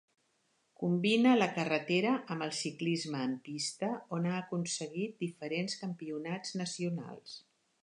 Combina la carretera amb el ciclisme en pista, on ha aconseguit diferents campionats nacionals.